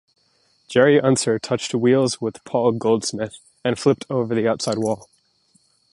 Jerry Unser touched wheels with Paul Goldsmith, and flipped over the outside wall.